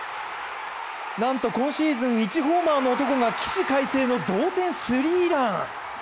なんと今シーズン１ホーマーの男が起死回生の同点スリーラン！